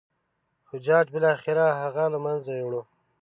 حجاج بالاخره هغه له منځه یووړ.